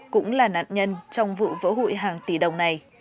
cũng là nạn nhân trong vụ vỡ hụi hàng tỷ đồng này